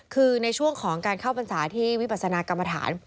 คือในช่วงของการเข้าพรรษาที่วิปัสนากรรมฐาน